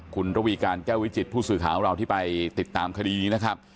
คุณระวีการแก้ววิจิตผู้สื่อข่าวของเราที่ไปติดตามคดีนี้นะครับ